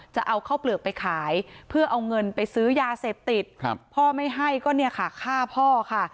จะเอาข้าวเปลือกไปขายเพื่อเอาเงินไปซื้อยาเสพติดพ่อไม่ให้ก็เนี่ยค่ะฆ่าพ่อค่ะ